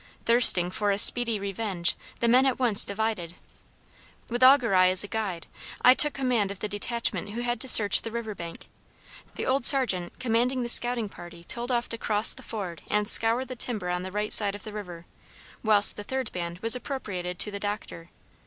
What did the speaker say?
"Thirsting for a speedy revenge, the men at once divided. With Augur eye as guide, I took command of the detachment who had to search the river bank; the old Sergeant commanded the scouting party told off to cross the ford and scour the timber on the right side of the river; whilst the third band was appropriated to the Doctor.